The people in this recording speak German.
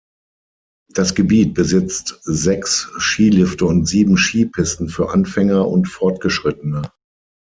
Das Gebiet besitzt sechs Skilifte und sieben Skipisten für Anfänger und Fortgeschrittene.